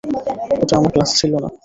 ওটা আমার গ্লাস ছিলো না।